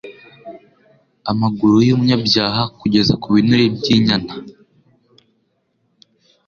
amaguru y'umunyabyaha kugeza ku binure by'inyana